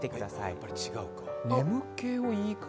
やっぱり違うか。